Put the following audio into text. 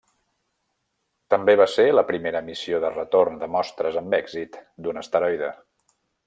També va ser la primera missió de retorn de mostres amb èxit d'un asteroide.